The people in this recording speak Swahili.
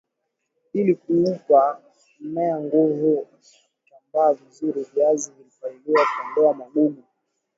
ili kuupa mmea nguvu ya kutambaa vizur viazi vinapaliliwa kuondoa magugu